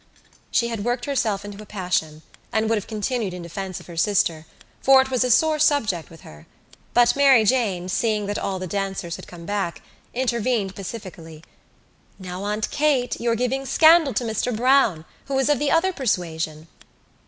She had worked herself into a passion and would have continued in defence of her sister for it was a sore subject with her but Mary Jane, seeing that all the dancers had come back, intervened pacifically: "Now, Aunt Kate, you're giving scandal to Mr Browne who is of the other persuasion."